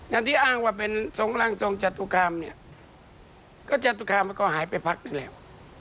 อย่างที่อ้างว่าเป็นทรงร่างทรงจตุคามเนี่ยก็จตุคามมันก็หายไปพักนึงแล้ว